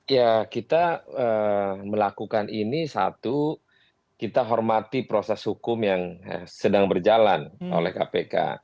ya kita melakukan ini satu kita hormati proses hukum yang sedang berjalan oleh kpk